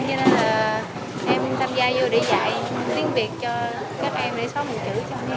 cho nên là em tham gia vô để dạy tiếng việt cho các em để xóa một chữ